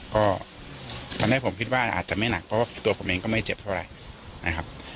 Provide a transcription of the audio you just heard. ก็ทำให้ผมคิดว่าอาจจะไม่หนักเพราะว่าตัวผมเองก็ไม่เจ็บเท่าไหร่นะครับ